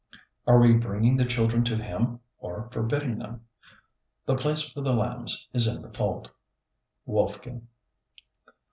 Are we bringing the children to Him or forbidding them? "The place for the lambs is in the fold." (Woelfkin.)